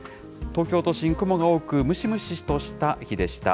東京都心、雲が多く、ムシムシとした日でした。